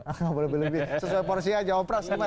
nggak mau lebih lebih sesuai porsi aja oprasi gimana